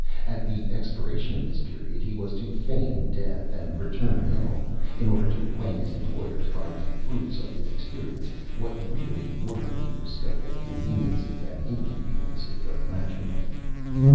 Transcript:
At the expiration of this period, he was to feign death and return home, in order to acquaint his employers, by the fruits of experience, what really were the respective conveniences and inconveniences of matrimony.